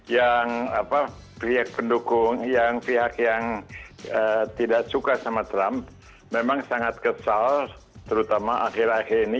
yang pihak pendukung yang pihak yang tidak suka sama trump memang sangat kesal terutama akhir akhir ini